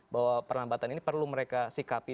bahwa perlambatan ini perlu mereka sikapi